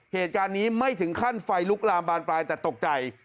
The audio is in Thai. เหตุการณ์นี้ไม่ถึงขั้นไฟลุกลามบานปลายแต่ตกใจ